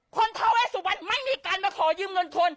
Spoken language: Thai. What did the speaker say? คนเทาเวสสุวรรณไม่มีการมาขอยืมนวลคน